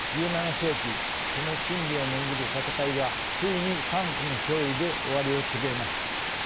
１７世紀この真理を巡る戦いはついに科学の勝利で終わりを告げます。